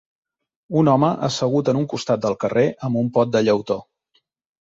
Un home assegut en un costat del carrer amb un pot de llautó